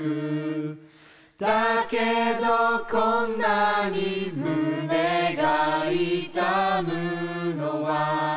「だけどこんなに胸が痛むのは」